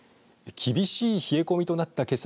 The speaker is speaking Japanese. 厳しい冷え込みとなったけさ